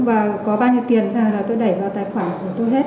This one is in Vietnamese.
và có bao nhiêu tiền cho là tôi đẩy vào tài khoản của tôi hết